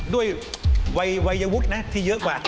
ด้วยวัยวุฒินะที่เยอะกว่า